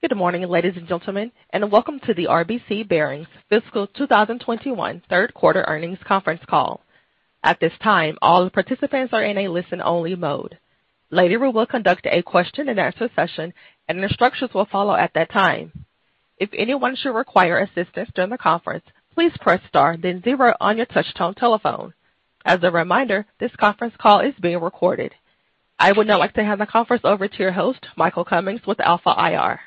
Good morning, ladies and gentlemen, and welcome to the RBC Bearings Fiscal 2021 Third Quarter Earnings Conference Call. At this time, all participants are in a listen-only mode. Later, we will conduct a question-and-answer session, and instructions will follow at that time. If anyone should require assistance during the conference, please press star, then zero on your touch-tone telephone. As a reminder, this conference call is being recorded. I would now like to hand the conference over to your host, Michael Cummings with Alpha IR.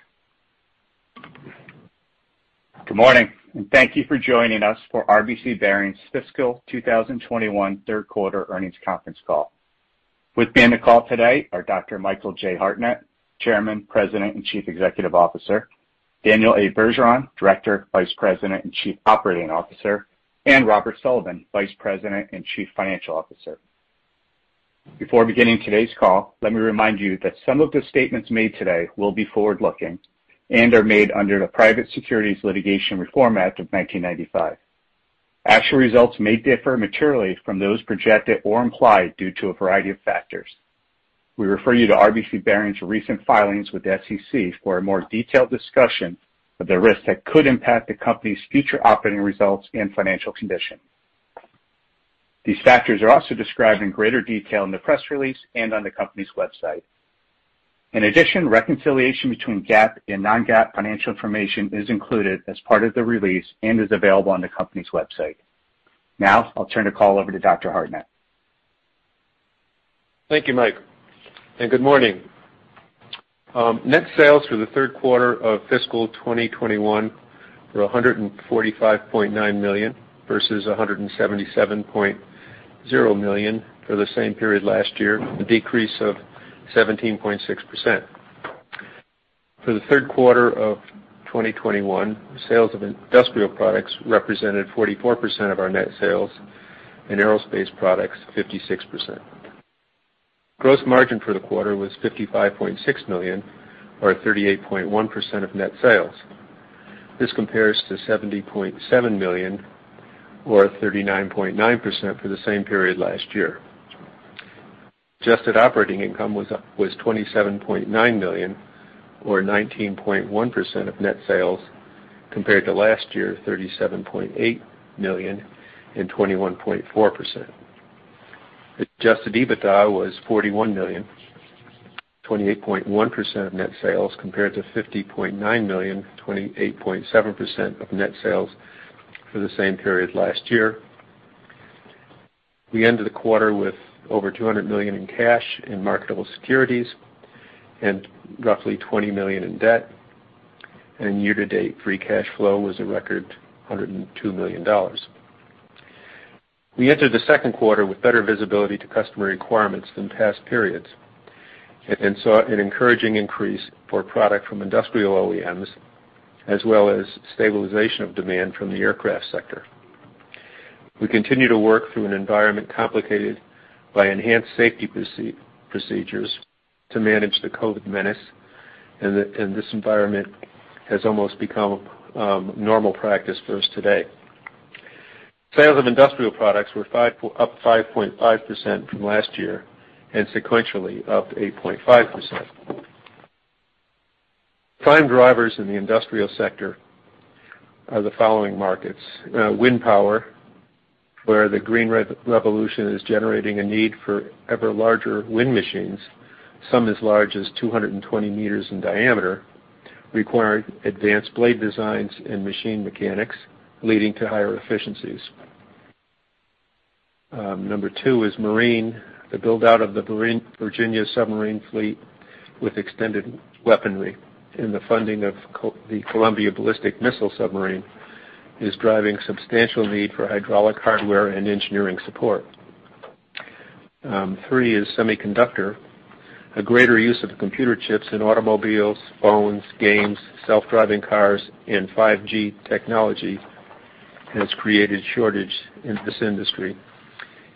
Good morning, and thank you for joining us for RBC Bearings Fiscal 2021 Third Quarter Earnings Conference Call. With me on the call today are Dr. Michael Hartnett, Chairman, President, and Chief Executive Officer; Daniel Bergeron, Director, Vice President, and Chief Operating Officer; and Robert Sullivan, Vice President and Chief Financial Officer. Before beginning today's call, let me remind you that some of the statements made today will be forward-looking and are made under the Private Securities Litigation Reform Act of 1995. Actual results may differ materially from those projected or implied due to a variety of factors. We refer you to RBC Bearings' recent filings with the SEC for a more detailed discussion of the risks that could impact the company's future operating results and financial condition. These factors are also described in greater detail in the press release and on the company's website. In addition, reconciliation between GAAP and non-GAAP financial information is included as part of the release and is available on the company's website. Now, I'll turn the call over to Dr. Hartnett. Thank you, Mike, and good morning. Net sales for the third quarter of fiscal 2021 were $145.9 million versus $177.0 million for the same period last year, a decrease of 17.6%. For the third quarter of 2021, sales of industrial products represented 44% of our net sales, and aerospace products 56%. Gross margin for the quarter was $55.6 million, or 38.1% of net sales. This compares to $70.7 million, or 39.9%, for the same period last year. Adjusted operating income was $27.9 million, or 19.1% of net sales, compared to last year's $37.8 million and 21.4%. Adjusted EBITDA was $41 million, 28.1% of net sales, compared to $50.9 million, 28.7% of net sales for the same period last year. We ended the quarter with over $200 million in cash in marketable securities and roughly $20 million in debt, and year-to-date free cash flow was a record $102 million. We entered the second quarter with better visibility to customer requirements than past periods and saw an encouraging increase for product from industrial OEMs as well as stabilization of demand from the aircraft sector. We continue to work through an environment complicated by enhanced safety procedures to manage the COVID menace, and this environment has almost become normal practice for us today. Sales of industrial products were up 5.5% from last year and sequentially up 8.5%. Prime drivers in the industrial sector are the following markets: wind power, where the Green Revolution is generating a need for ever larger wind machines, some as large as 220 meters in diameter, requiring advanced blade designs and machine mechanics leading to higher efficiencies. Number two is marine, the build-out of the Virginia submarine fleet with extended weaponry, and the funding of the Columbia Ballistic Missile Submarine is driving substantial need for hydraulic hardware and engineering support. Three is semiconductor, a greater use of computer chips in automobiles, phones, games, self-driving cars, and 5G technology has created a shortage in this industry,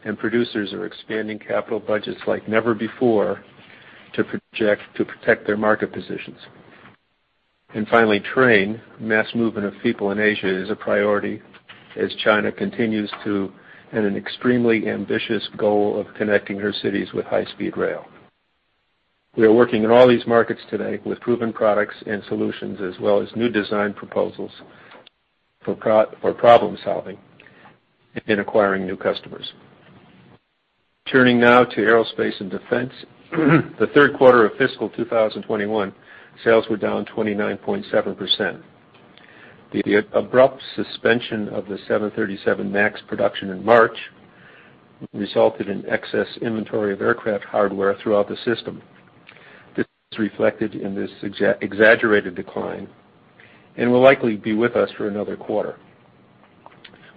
and producers are expanding capital budgets like never before to protect their market positions. And finally, train, mass movement of people in Asia is a priority as China continues to and an extremely ambitious goal of connecting her cities with high-speed rail. We are working in all these markets today with proven products and solutions as well as new design proposals for problem-solving and acquiring new customers. Turning now to aerospace and defense, the third quarter of fiscal 2021, sales were down 29.7%. The abrupt suspension of the 737 MAX production in March resulted in excess inventory of aircraft hardware throughout the system. This is reflected in this exaggerated decline and will likely be with us for another quarter.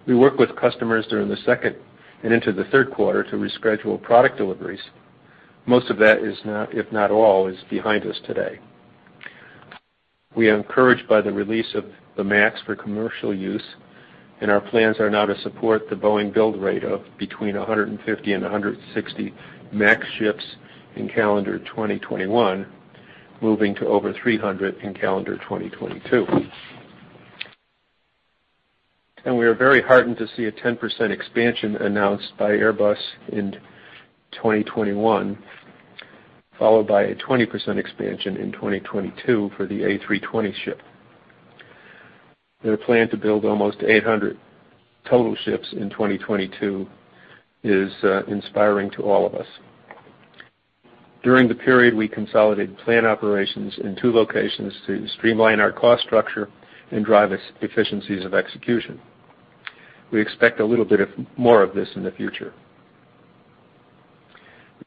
We work with customers during the second and into the third quarter to reschedule product deliveries. Most of that is now, if not all, is behind us today. We are encouraged by the release of the MAX for commercial use, and our plans are now to support the Boeing build rate of between 150 and 160 MAX ships in calendar 2021, moving to over 300 in calendar 2022. We are very heartened to see a 10% expansion announced by Airbus in 2021, followed by a 20% expansion in 2022 for the A320 ship. Their plan to build almost 800 total ships in 2022 is inspiring to all of us. During the period, we consolidated plant operations in two locations to streamline our cost structure and drive efficiencies of execution. We expect a little bit more of this in the future.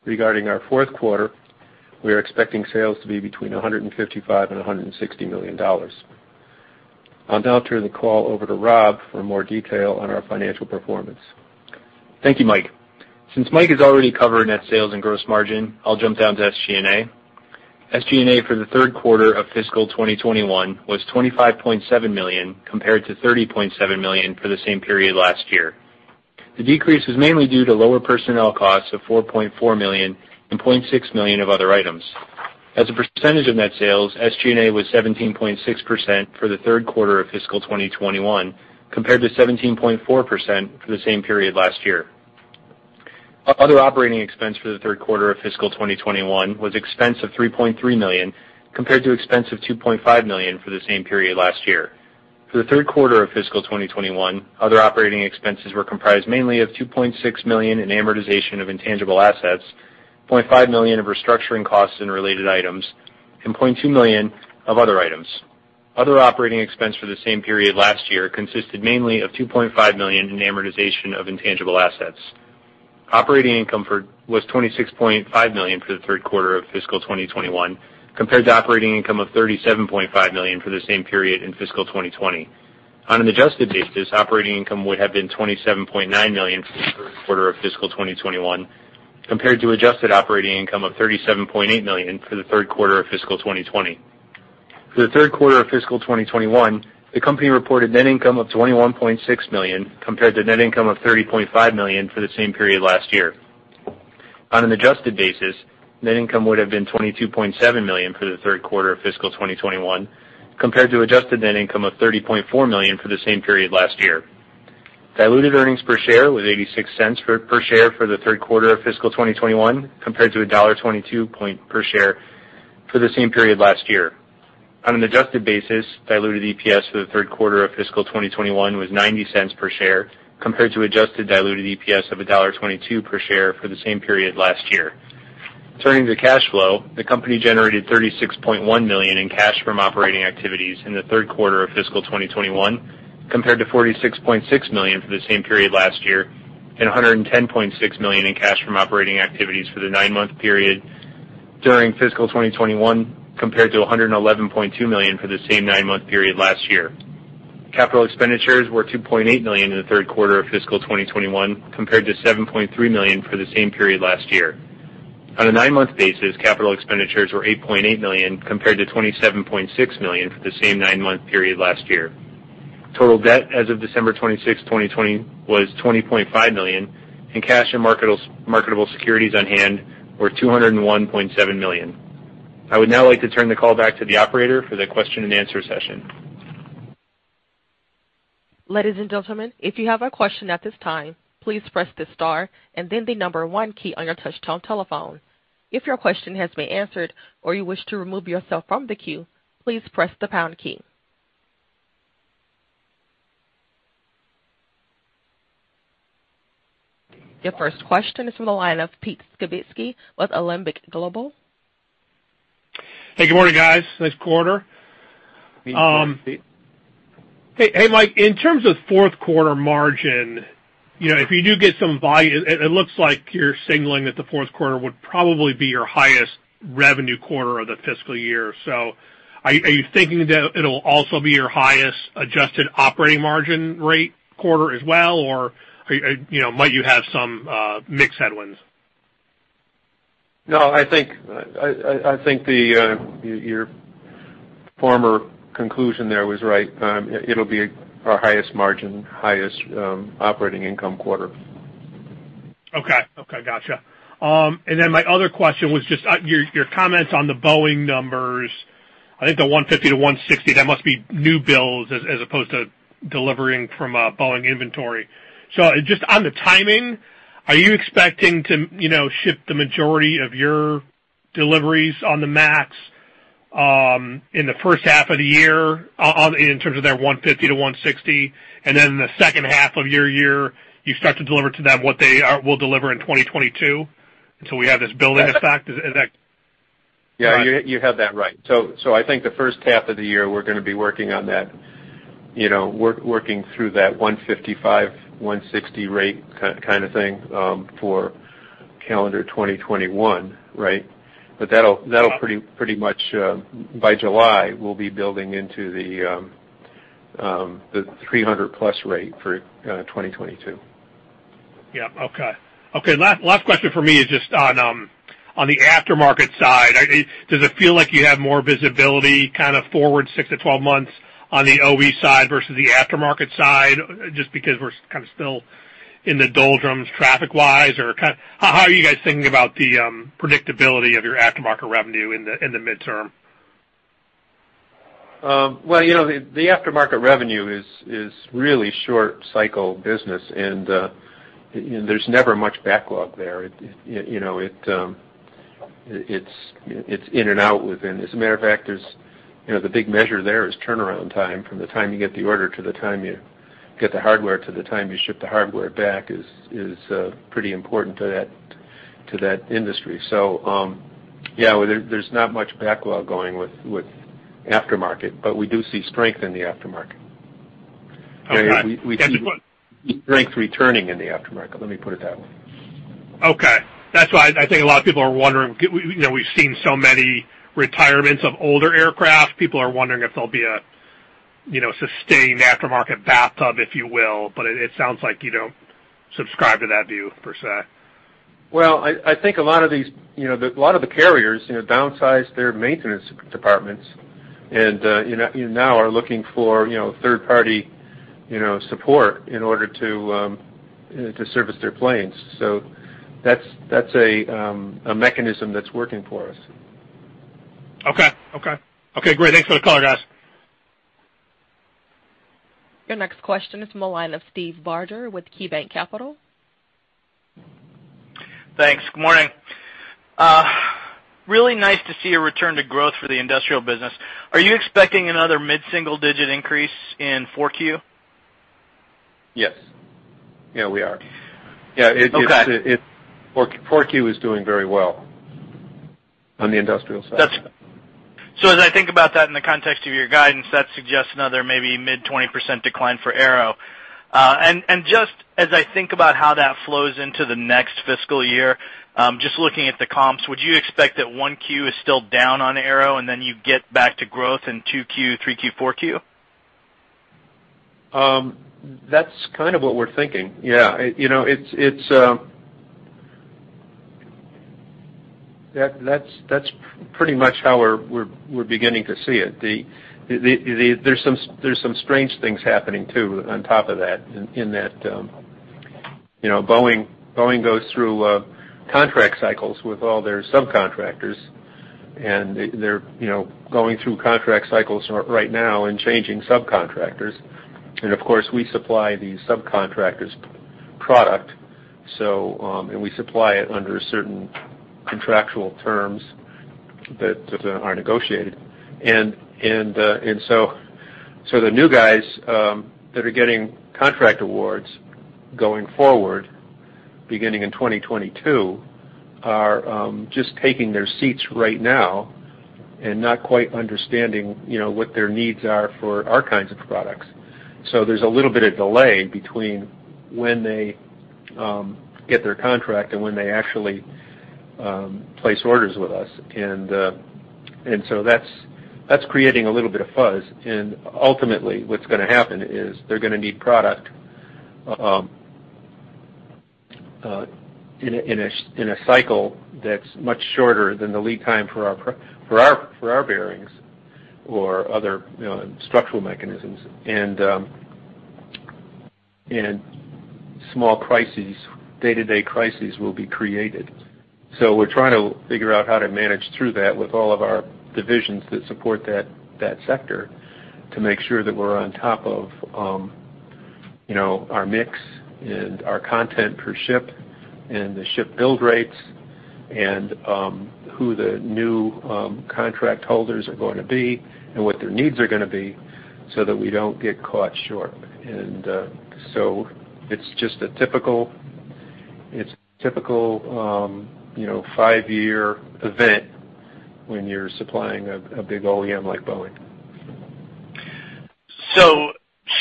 Regarding our fourth quarter, we are expecting sales to be between $155-$160 million. I will now turn the call over to Rob for more detail on our financial performance. Thank you, Mike. Since Mike is already covering that sales and gross margin, I will jump down to SG&A. SG&A for the third quarter of fiscal 2021 was $25.7 million compared to $30.7 million for the same period last year. The decrease was mainly due to lower personnel costs of $4.4 million and $0.6 million of other items. As a percentage of net sales, SG&A was 17.6% for the third quarter of fiscal 2021 compared to 17.4% for the same period last year. Other operating expense for the third quarter of fiscal 2021 was expense of $3.3 million compared to expense of $2.5 million for the same period last year. For the third quarter of fiscal 2021, other operating expenses were comprised mainly of $2.6 million in amortization of intangible assets, $0.5 million of restructuring costs and related items, and $0.2 million of other items. Other operating expense for the same period last year consisted mainly of $2.5 million in amortization of intangible assets. Operating income was $26.5 million for the third quarter of fiscal 2021 compared to operating income of $37.5 million for the same period in fiscal 2020. On an adjusted basis, operating income would have been $27.9 million for the third quarter of fiscal 2021 compared to adjusted operating income of $37.8 million for the third quarter of fiscal 2020. For the third quarter of fiscal 2021, the company reported net income of $21.6 million compared to net income of $30.5 million for the same period last year. On an adjusted basis, net income would have been $22.7 million for the third quarter of fiscal 2021 compared to adjusted net income of $30.4 million for the same period last year. Diluted earnings per share was $0.86 per share for the third quarter of fiscal 2021 compared to $1.22 per share for the same period last year. On an adjusted basis, diluted EPS for the third quarter of fiscal 2021 was $0.90 per share compared to adjusted diluted EPS of $1.22 per share for the same period last year. Turning to cash flow, the company generated $36.1 million in cash from operating activities in the third quarter of fiscal 2021 compared to $46.6 million for the same period last year and $110.6 million in cash from operating activities for the nine-month period during fiscal 2021 compared to $111.2 million for the same nine-month period last year. Capital expenditures were $2.8 million in the third quarter of fiscal 2021 compared to $7.3 million for the same period last year. On a nine-month basis, Capital expenditures were $8.8 million compared to $27.6 million for the same nine-month period last year. Total debt as of December 26, 2020, was $20.5 million, and cash and marketable securities on hand were $201.7 million. I would now like to turn the call back to the operator for the question-and-answer session. Ladies and gentlemen, if you have a question at this time, please press the star and then the number one key on your touch-tone telephone. If your question has been answered or you wish to remove yourself from the queue, please press the pound key. Your first question is from the line of Pete Skibitski with Alembic Global. Hey, good morning, guys. Nice quarter. Hey, Mike, in terms of fourth quarter margin, if you do get some volume, it looks like you're signaling that the fourth quarter would probably be your highest revenue quarter of the fiscal year. So are you thinking that it'll also be your highest adjusted operating margin rate quarter as well, or might you have some mixed headwinds? No, I think your former conclusion there was right. It'll be our highest margin, highest operating income quarter. Okay, okay, gotcha. And then my other question was just your comments on the Boeing numbers. I think the 150-160, that must be new builds as opposed to delivering from a Boeing inventory. So just on the timing, are you expecting to ship the majority of your deliveries on the MAX in the first half of the year in terms of their 150-160, and then in the second half of your year, you start to deliver to them what they will deliver in 2022 until we have this building effect? Is that? Yeah, you have that right. So I think the first half of the year, we're going to be working on that, working through that 155-160 rate kind of thing for calendar 2021, right? But that'll pretty much, by July, we'll be building into the 300+ rate for 2022. Yep, okay. Okay, last question for me is just on the aftermarket side. Does it feel like you have more visibility kind of forward six-12 months on the OE side versus the aftermarket side just because we're kind of still in the doldrums traffic-wise, or how are you guys thinking about the predictability of your aftermarket revenue in the midterm? Well, the aftermarket revenue is really short-cycle business, and there's never much backlog there. It's in and out within. As a matter of fact, the big measure there is turnaround time. From the time you get the order to the time you get the hardware to the time you ship the hardware back is pretty important to that industry. So yeah, there's not much backlog going with aftermarket, but we do see strength in the aftermarket. We see strength returning in the aftermarket. Let me put it that way. Okay. That's why I think a lot of people are wondering. We've seen so many retirements of older aircraft. People are wondering if there'll be a sustained aftermarket bathtub, if you will, but it sounds like you don't subscribe to that view per se. Well, I think a lot of the carriers downsize their maintenance departments and now are looking for third-party support in order to service their planes. So that's a mechanism that's working for us. Okay, okay, okay. Great. Thanks for the call, guys. Your next question is from the line of Steve Barger with KeyBanc Capital. Thanks. Good morning. Really nice to see a return to growth for the industrial business. Are you expecting another mid-single-digit increase in 4Q? Yes, we are. Yeah, 4Q is doing very well on the industrial side. As I think about that in the context of your guidance, that suggests another maybe mid-20% decline for AERO. Just as I think about how that flows into the next fiscal year, just looking at the comps, would you expect that 1Q is still down on AERO and then you get back to growth in 2Q, 3Q, 4Q? That's kind of what we're thinking. Yeah, that's pretty much how we're beginning to see it. There's some strange things happening too on top of that in that Boeing goes through contract cycles with all their subcontractors, and they're going through contract cycles right now and changing subcontractors. And of course, we supply the subcontractors' product, and we supply it under certain contractual terms that are negotiated. And so the new guys that are getting contract awards going forward, beginning in 2022, are just taking their seats right now and not quite understanding what their needs are for our kinds of products. So there's a little bit of delay between when they get their contract and when they actually place orders with us. And so that's creating a little bit of fuzz. Ultimately, what's going to happen is they're going to need product in a cycle that's much shorter than the lead time for our bearings or other structural mechanisms. Small crises, day-to-day crises, will be created. So we're trying to figure out how to manage through that with all of our divisions that support that sector to make sure that we're on top of our mix and our content per ship and the ship build rates and who the new contract holders are going to be and what their needs are going to be so that we don't get caught short. It's just a typical 5-year event when you're supplying a big OEM like Boeing. So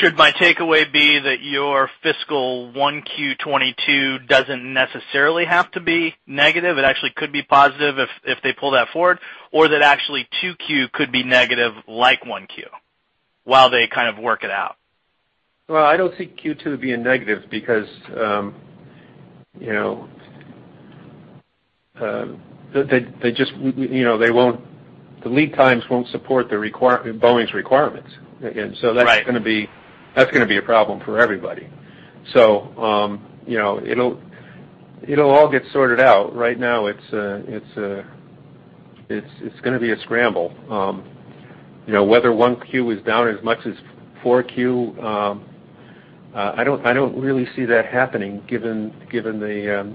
should my takeaway be that your fiscal 1Q22 doesn't necessarily have to be negative? It actually could be positive if they pull that forward, or that actually 2Q could be negative like 1Q while they kind of work it out? Well, I don't see Q2 to be a negative because they just won't, the lead times won't support Boeing's requirements. And so that's going to be a problem for everybody. So it'll all get sorted out. Right now, it's going to be a scramble. Whether 1Q is down as much as 4Q, I don't really see that happening given the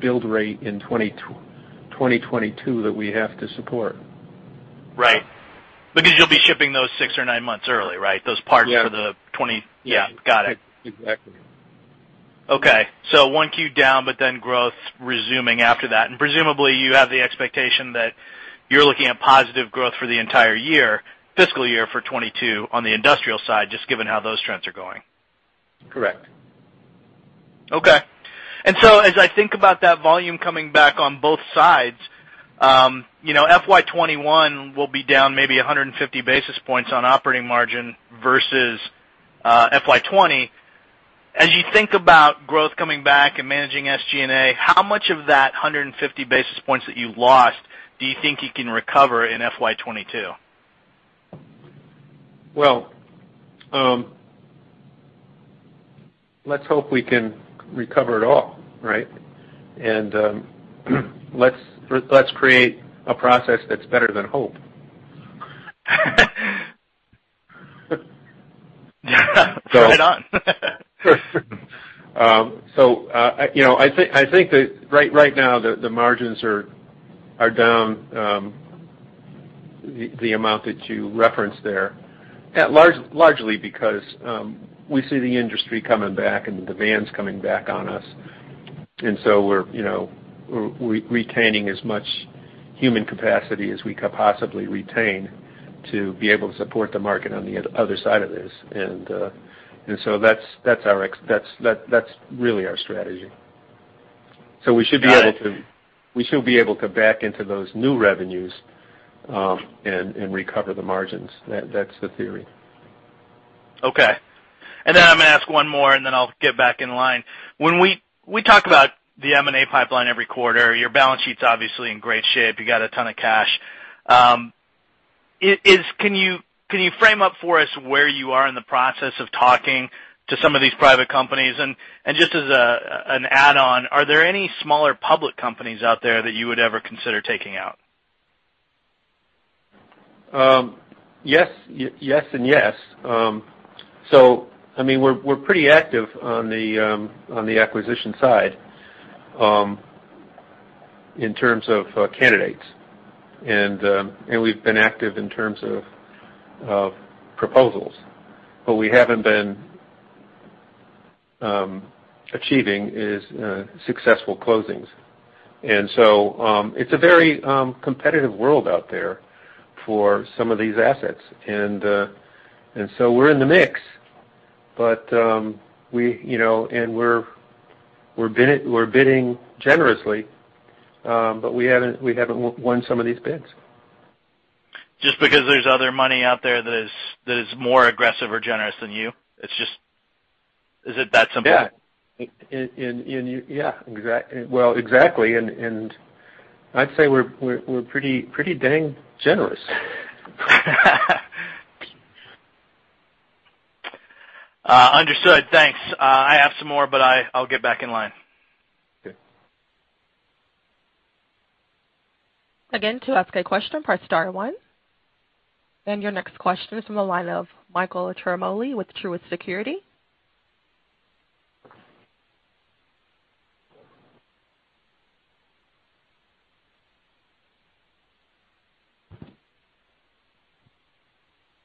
build rate in 2022 that we have to support. Right. Because you'll be shipping those six or nine months early, right? Those parts for the 20, yeah, got it. Exactly. Okay. 1Q down, but then growth resuming after that. Presumably, you have the expectation that you're looking at positive growth for the entire year, fiscal year for 2022 on the industrial side just given how those trends are going. Correct. Okay. And so as I think about that volume coming back on both sides, FY21 will be down maybe 150 basis points on operating margin versus FY20. As you think about growth coming back and managing SG&A, how much of that 150 basis points that you lost do you think you can recover in FY22? Well, let's hope we can recover it all, right? Let's create a process that's better than hope. Right on. So I think that right now, the margins are down the amount that you referenced there, largely because we see the industry coming back and the demand's coming back on us. So we're retaining as much human capacity as we could possibly retain to be able to support the market on the other side of this. So that's really our strategy. So we should be able to back into those new revenues and recover the margins. That's the theory. Okay. And then I'm going to ask one more, and then I'll get back in line. When we talk about the M&A pipeline every quarter, your balance sheet's obviously in great shape. You got a ton of cash. Can you frame up for us where you are in the process of talking to some of these private companies? And just as an add-on, are there any smaller public companies out there that you would ever consider taking out? Yes and yes. So I mean, we're pretty active on the acquisition side in terms of candidates. And we've been active in terms of proposals, but what we haven't been achieving is successful closings. And so it's a very competitive world out there for some of these assets. And so we're in the mix, and we're bidding generously, but we haven't won some of these bids. Just because there's other money out there that is more aggressive or generous than you? Is it that simple? Yeah. Yeah, exactly. Well, exactly. And I'd say we're pretty dang generous. Understood. Thanks. I have some more, but I'll get back in line. Okay. Again, to ask a question, press star one. And your next question is from the line of Michael Ciarmoli with Truist Securities.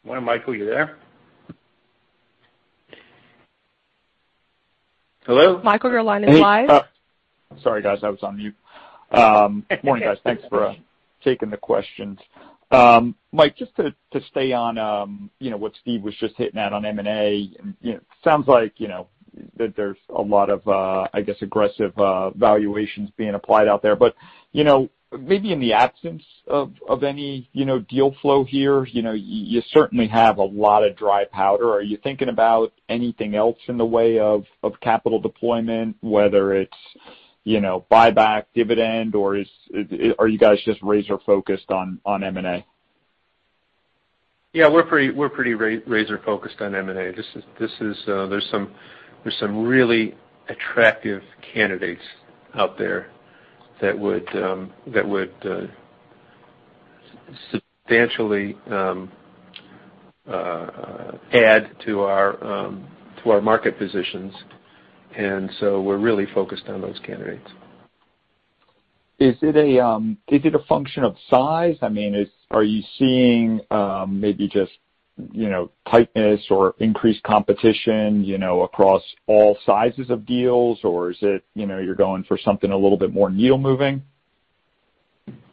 Morning, Michael. You there? Hello? Michael, your line is live. Hey. Sorry, guys. I was on mute. Good morning, guys. Thanks for taking the questions. Mike, just to stay on what Steve was just hitting at on M&A, it sounds like that there's a lot of, I guess, aggressive valuations being applied out there. But maybe in the absence of any deal flow here, you certainly have a lot of dry powder. Are you thinking about anything else in the way of capital deployment, whether it's buyback, dividend, or are you guys just razor-focused on M&A? Yeah, we're pretty razor-focused on M&A. There's some really attractive candidates out there that would substantially add to our market positions. And so we're really focused on those candidates. Is it a function of size? I mean, are you seeing maybe just tightness or increased competition across all sizes of deals, or is it you're going for something a little bit more needle-moving?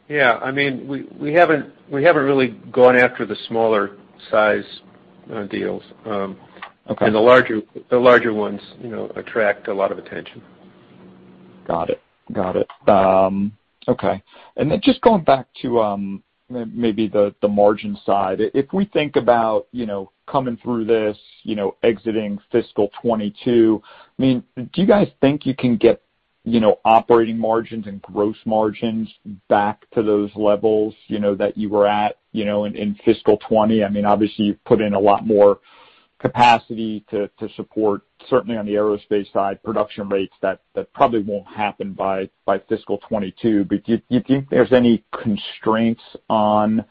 Yeah. I mean, we haven't really gone after the smaller-size deals. The larger ones attract a lot of attention. Got it. Got it. Okay. Then just going back to maybe the margin side, if we think about coming through this, exiting fiscal 2022, I mean, do you guys think you can get operating margins and gross margins back to those levels that you were at in fiscal 2020? I mean, obviously, you've put in a lot more capacity to support, certainly on the aerospace side, production rates that probably won't happen by fiscal 2022. But do you think there's any constraints on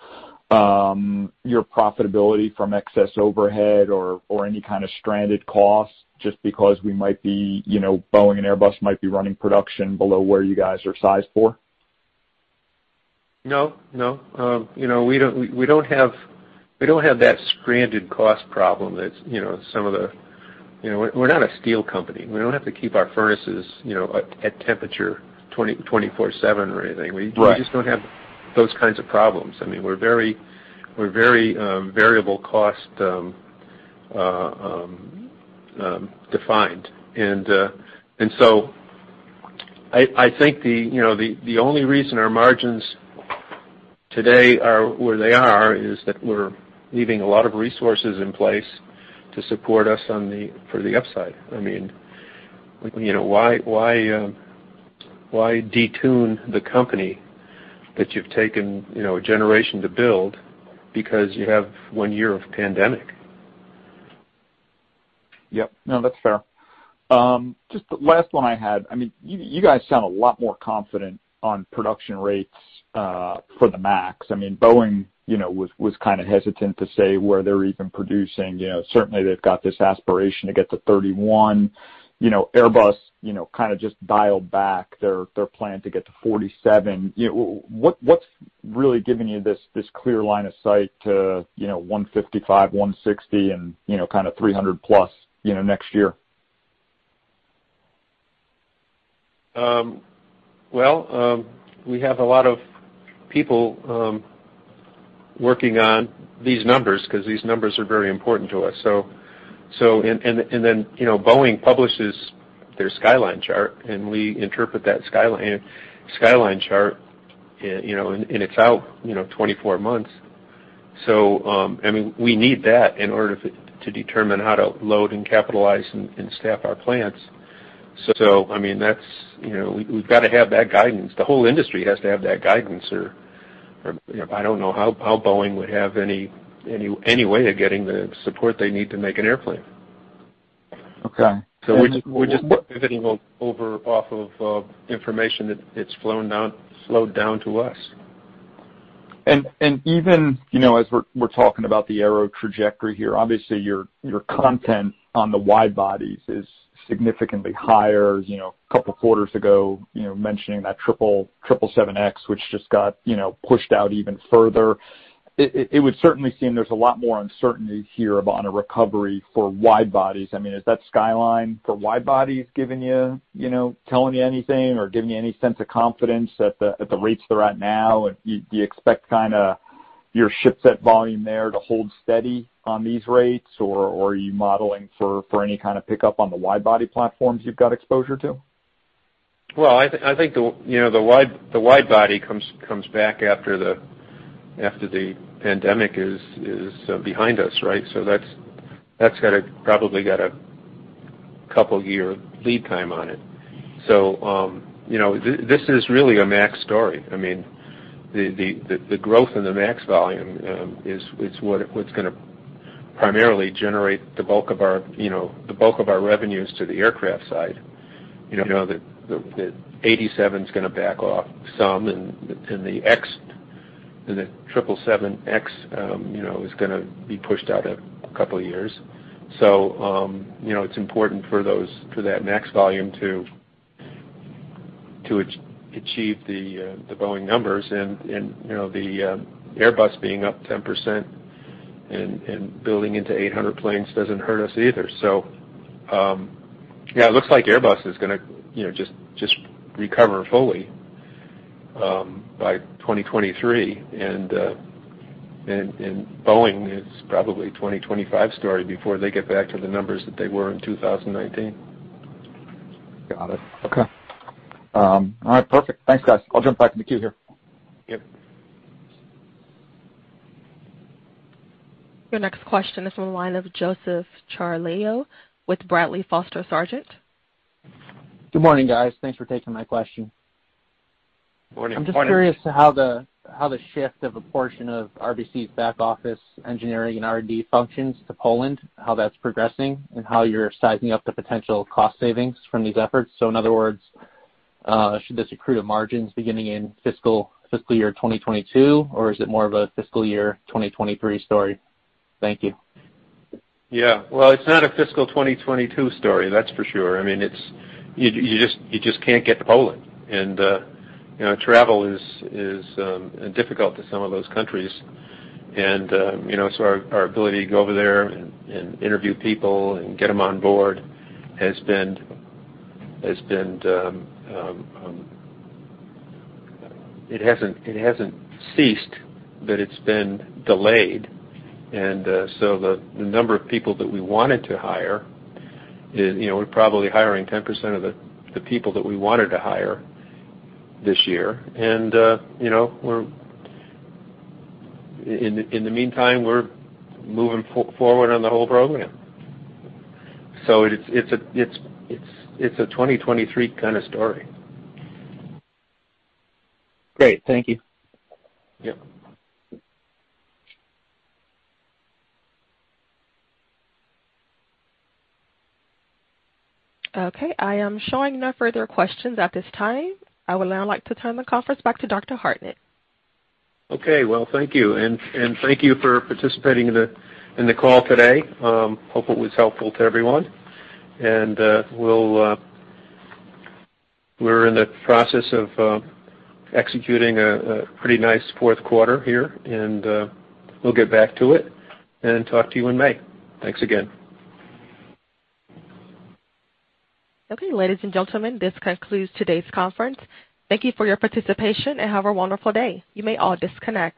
your profitability from excess overhead or any kind of stranded costs just because Boeing and Airbus might be running production below where you guys are sized for? No, no. We don't have that stranded cost problem that some of them. We're not a steel company. We don't have to keep our furnaces at temperature 24/7 or anything. We just don't have those kinds of problems. I mean, we're very variable cost defined. And so I think the only reason our margins today are where they are is that we're leaving a lot of resources in place to support us for the upside. I mean, why detune the company that you've taken a generation to build because you have one year of pandemic? Yep. No, that's fair. Just the last one I had, I mean, you guys sound a lot more confident on production rates for the MAX. I mean, Boeing was kind of hesitant to say where they're even producing. Certainly, they've got this aspiration to get to 31. Airbus kind of just dialed back their plan to get to 47. What's really giving you this clear line of sight to 155, 160, and kind of 300-plus next year? Well, we have a lot of people working on these numbers because these numbers are very important to us. And then Boeing publishes their skyline chart, and we interpret that skyline chart, and it's out 24 months. So I mean, we need that in order to determine how to load and capitalize and staff our plants. So I mean, we've got to have that guidance. The whole industry has to have that guidance. Or I don't know how Boeing would have any way of getting the support they need to make an airplane. So we're just pivoting over off of information that's flowed down to us. Even as we're talking about the aero trajectory here, obviously, your content on the wide bodies is significantly higher. A couple of quarters ago, mentioning that 777X, which just got pushed out even further. It would certainly seem there's a lot more uncertainty here on a recovery for wide bodies. I mean, is that skyline for wide bodies telling you anything or giving you any sense of confidence at the rates they're at now? Do you expect kind of your ship set volume there to hold steady on these rates, or are you modeling for any kind of pickup on the wide body platforms you've got exposure to? Well, I think the wide body comes back after the pandemic is behind us, right? So that's probably got a couple-year lead time on it. So this is really a MAX story. I mean, the growth and the MAX volume is what's going to primarily generate the bulk of our revenues to the aircraft side. The 87's going to back off some, and the triple 7X is going to be pushed out a couple of years. So it's important for that MAX volume to achieve the Boeing numbers. And the Airbus being up 10% and building into 800 planes doesn't hurt us either. So yeah, it looks like Airbus is going to just recover fully by 2023. And Boeing is probably a 2025 story before they get back to the numbers that they were in 2019. Got it. Okay. All right. Perfect. Thanks, guys. I'll jump back in the queue here. Yep. Your next question is from the line of Joseph Ciarleglio with Bradley, Foster & Sargent. Good morning, guys. Thanks for taking my question. Morning. I'm just curious how the shift of a portion of RBC's back office engineering and R&D functions to Poland, how that's progressing, and how you're sizing up the potential cost savings from these efforts. So in other words, should this accrue to margins beginning in fiscal year 2022, or is it more of a fiscal year 2023 story? Thank you. Yeah. Well, it's not a fiscal 2022 story, that's for sure. I mean, you just can't get to Poland. And travel is difficult to some of those countries. And so our ability to go over there and interview people and get them on board has been. It hasn't ceased, but it's been delayed. And so the number of people that we wanted to hire, we're probably hiring 10% of the people that we wanted to hire this year. And in the meantime, we're moving forward on the whole program. So it's a 2023 kind of story. Great. Thank you. Yep. Okay. I am showing no further questions at this time. I would now like to turn the conference back to Dr. Hartnett. Okay. Well, thank you. Thank you for participating in the call today. Hope it was helpful to everyone. We're in the process of executing a pretty nice fourth quarter here, and we'll get back to it and talk to you in May. Thanks again. Okay, ladies and gentlemen, this concludes today's conference. Thank you for your participation, and have a wonderful day. You may all disconnect.